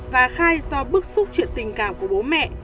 và khai do bức xúc chuyện tình cảm của bố mẹ